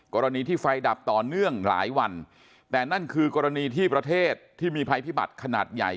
กรณีที่ไฟดับต่อเนื่องหลายวันแต่นั่นคือกรณีที่ประเทศที่มีภัยพิบัติขนาดใหญ่